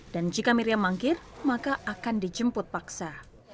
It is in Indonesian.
dan jika miriam manggil maka akan dijemput paksa